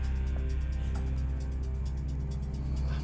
udah makan lagi